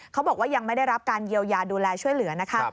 เขาบอกว่ายังไม่ได้รับการเยียวยาดูแลช่วยเหลือนะคะ